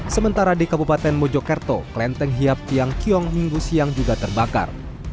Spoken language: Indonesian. sementara di kabupaten mojokerto klenteng hiap tiang kiong minggu siang juga terbakar